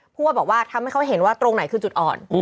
ผู้ว่าบอกว่าทำให้เขาเห็นว่าตรงไหนคือจุดอ่อน